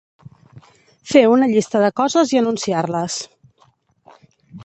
Fer una llista de coses i anunciar-les.